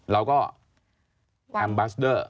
แล้วก็แอลบาร์เดอร์๓๖๐๐๐